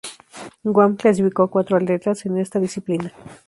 Guam clasificó a un cuatro atletas en esta disciplina.